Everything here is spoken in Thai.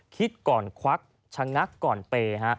คิดก่อนควักชะงักก่อนเปย์